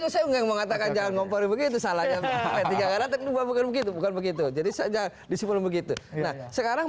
saya mengatakan jangan ngomong begitu salahnya bukan begitu jadi saja disimpul begitu sekarang